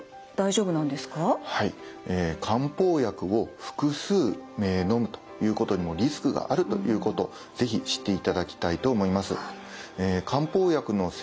漢方薬を複数のむということにもリスクがあるということを是非知っていただきたいと思います。